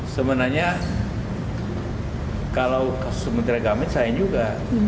sebenarnya kalau kasus menteri agama sayang juga